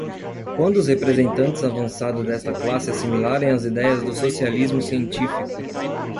Quando os representantes avançados desta classe assimilarem as ideias do socialismo científico